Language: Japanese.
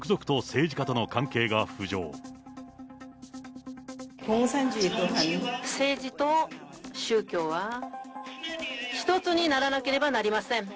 政治と宗教は、一つにならなければなりません。